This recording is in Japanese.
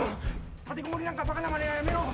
・立てこもりなんかバカなまねはやめろ！